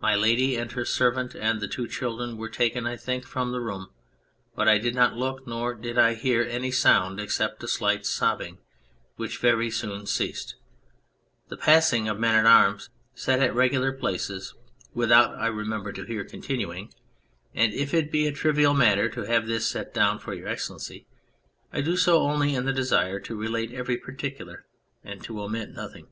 My Lady and her servant and the two children were taken, I think, from the room, but I did not look, nor did I hear any sound except a slight sobbing, which very soon ceased : the passing of men at arms set at regular places without I remember to hear continuing, and if it be a trivial matter to have this set down for Your Excellency, I do so only in the desire to relate every particular and to omit nothing.